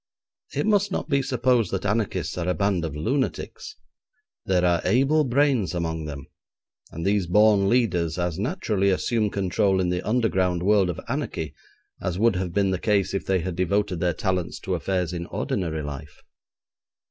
It must not be supposed that anarchists are a band of lunatics. There are able brains among them, and these born leaders as naturally assume control in the underground world of anarchy as would have been the case if they had devoted their talents to affairs in ordinary life.